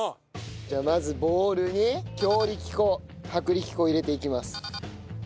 じゃあまずボウルに強力粉薄力粉を入れていきます。